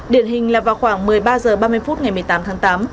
điện hình là vào khoảng một mươi ba h ba mươi phút ngày một mươi tám tháng tám